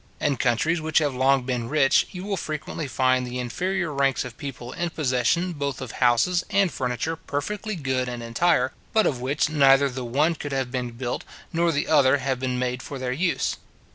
In countries which have long been rich, you will frequently find the inferior ranks of people in possession both of houses and furniture perfectly good and entire, but of which neither the one could have been built, nor the other have been made for their use.